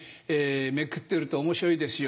めくってると面白いですよ。